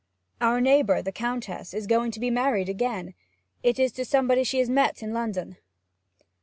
'Our neighbour, the Countess, is going to be married again! It is to somebody she has met in London.'